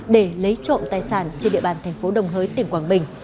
để lấy trộm tài sản trên địa bàn thành phố đồng hới tỉnh quảng bình